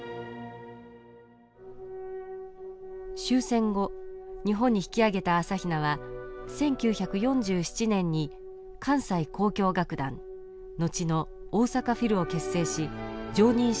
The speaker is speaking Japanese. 終戦後日本に引き揚げた朝比奈は１９４７年に関西交響楽団後の大阪フィルを結成し常任指揮者に就任します。